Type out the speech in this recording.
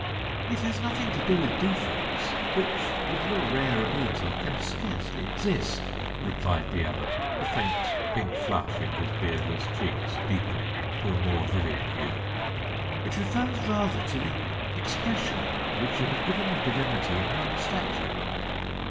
"It has nothing to do with defects, which, with your rare ability, can scarcely exist," replied the other, the faint pink flush in his beardless cheeks deepening to a more vivid hue. "It refers rather to the expression which you have given the divinity in yonder statue."